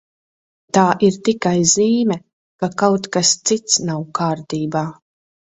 Tā ir tikai zīme, ka kaut kas cits nav kārtībā.